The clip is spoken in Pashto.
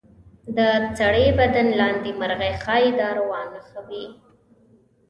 د سړي بدن لاندې مرغۍ ښایي د اروا نښه وي.